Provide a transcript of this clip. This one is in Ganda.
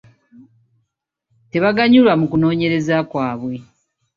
Tebaaganyulwa mu kunoonyereza kwabwe.